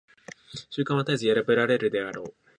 習慣は絶えず破られるであろう。